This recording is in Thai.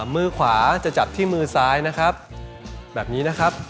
มือขวาจะจับที่มือซ้ายนะครับแบบนี้นะครับ